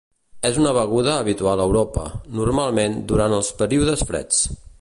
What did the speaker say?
És una beguda habitual a Europa, normalment durant els períodes freds.